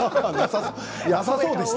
なさそうでした。